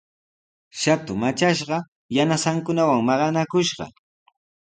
Shatu matrashqa yanasankunawan maqanakushqa.